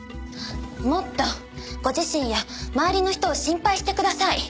もっとご自身や周りの人を心配してください！